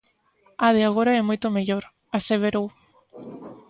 "A de agora é moito mellor", aseverou.